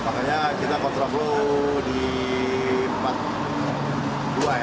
makanya kita kontraflu di empat puluh dua ya